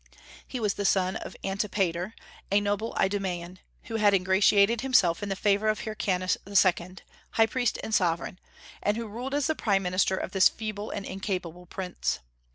He was the son of Antipater, a noble Idumaean, who had ingratiated himself in the favor of Hyrcanus II., high priest and sovereign, and who ruled as the prime minister of this feeble and incapable prince.